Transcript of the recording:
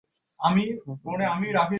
হ্যাঁ করে দিন সিল।